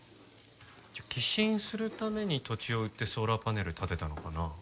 じゃあ寄進するために土地を売ってソーラーパネル立てたのかな？